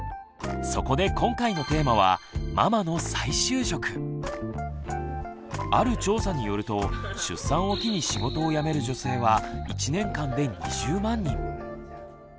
そこで今回のテーマはある調査によると出産を機に仕事を辞める女性は１年間で２０万人。